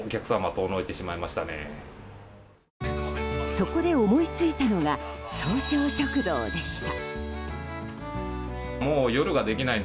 そこで思いついたのが早朝食堂でした。